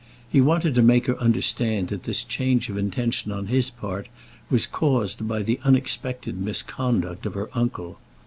He wanted to make her understand that this change of intention on his part was caused by the unexpected misconduct of her uncle.